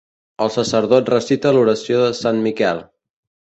El sacerdot recita l'oració de Sant Miquel.